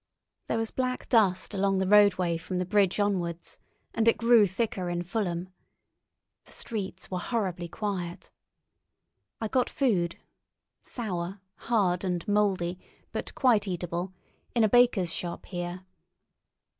There was black dust along the roadway from the bridge onwards, and it grew thicker in Fulham. The streets were horribly quiet. I got food—sour, hard, and mouldy, but quite eatable—in a baker's shop here.